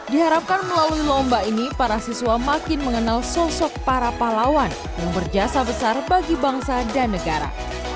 diharapkan melalui lomba ini para siswa makin mengenal sosok para pahlawan yang berjasa besar bagi bangsa dan negara